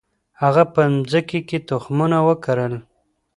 هغه په مځکي کي تخمونه وکرل.